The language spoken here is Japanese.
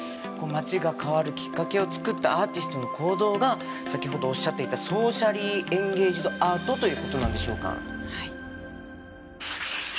こう街が変わるきっかけを作ったアーティストの行動が先ほどおっしゃっていたソーシャリー・エンゲイジド・アートということなんでしょうか？